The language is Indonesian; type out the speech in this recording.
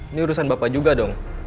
ini urusan bapak juga dong